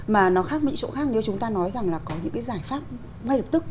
mà nó khác mấy chỗ khác nếu chúng ta nói rằng là có những cái giải pháp ngay lập tức